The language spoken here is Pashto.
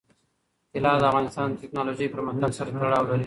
طلا د افغانستان د تکنالوژۍ پرمختګ سره تړاو لري.